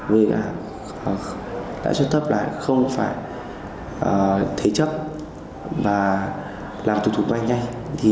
với lại suất thấp là không phải thế chấp và làm thu thủ vây nhanh